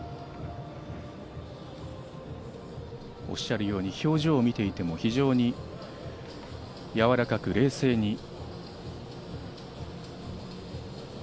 おっしゃるように表情を見ていても、非常にやわらかく冷静に。